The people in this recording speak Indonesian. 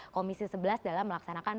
komisi sebelas dalam melaksanakan